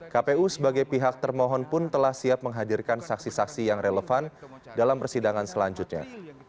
kpu sebagai pihak termohon pun telah siap menghadirkan saksi saksi yang relevan dalam persidangan selanjutnya